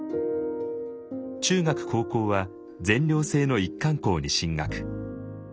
中学・高校は全寮制の一貫校に進学。